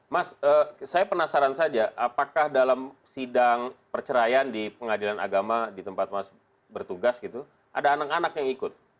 mas saya penasaran saja apakah dalam sidang perceraian di pengadilan agama di tempat mas bertugas gitu ada anak anak yang ikut